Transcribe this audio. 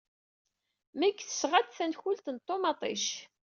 Meg tesɣa-d tankult n ṭumaṭic.